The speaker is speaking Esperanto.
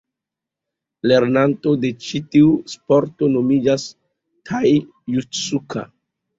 Lernanto de ĉi tiu sporto nomiĝas Tai-Jutsuka.